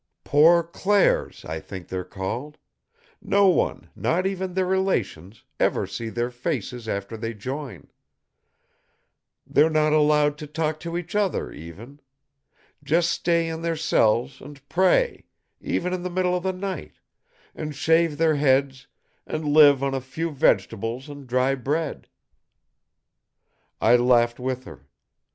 Poor Clares, I think they're called. No one, not even their relations, ever see their faces after they join. They're not allowed to talk to each other, even. Just stay in their cells, an' pray, even in the middle of the night, an' shave their heads an' live on a few vegetables an' dry bread." I laughed with her.